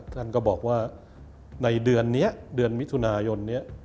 ท่านก็บอกว่าในเดือนนี้เดือนมิถุนายนนี้